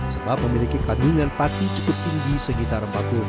sebab memiliki kandungan pati cukup tinggi sekitar empat puluh empat